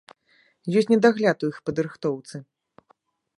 Ёсць недагляд у іх падрыхтоўцы.